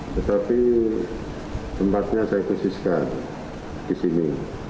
tetapi tempatnya saya khususkan di sini